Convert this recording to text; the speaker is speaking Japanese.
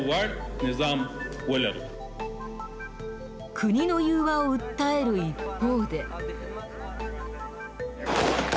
国の融和を訴える一方で。